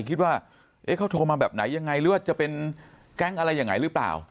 คิดว่าเขาโทรมาแบบไหนยังไงหรือว่าจะเป็นแก๊งอะไรยังไงหรือเปล่า